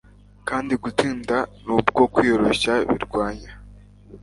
kandi gutsinda nubwo kwiyoroshya birwanya